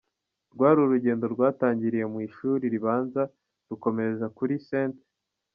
Rwari urugendo rwatangiriye mu ishuri ribanza rukomereza kuri St.